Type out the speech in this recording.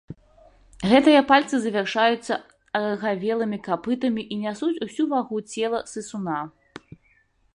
Гэтыя пальцы завяршаюцца арагавелымі капытамі і нясуць усю вагу цела сысуна.